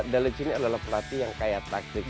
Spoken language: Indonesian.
dalam sini adalah pelatih yang kaya taktik